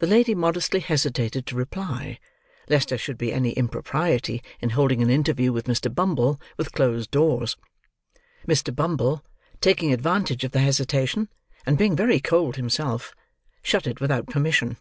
The lady modestly hesitated to reply, lest there should be any impropriety in holding an interview with Mr. Bumble, with closed doors. Mr. Bumble taking advantage of the hesitation, and being very cold himself, shut it without permission.